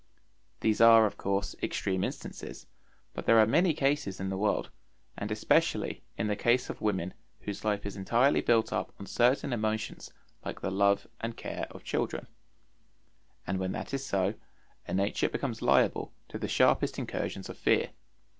These are of course extreme instances, but there are many cases in the world, and especially in the case of women whose life is entirely built up on certain emotions like the love and care of children; and when that is so, a nature becomes liable to the sharpest incursions of fear.